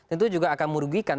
itu juga akan merugikan